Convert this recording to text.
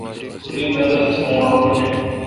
تو می مدد تھو اؘ کو نہ۔